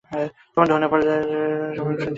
তোমরা ধনোপার্জনের জন্য সমগ্র শক্তি নিয়োগ কর।